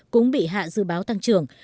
cũng bị hạ dự báo tăng trưởng